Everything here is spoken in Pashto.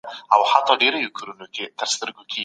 اسلام یو بشپړ دین دی.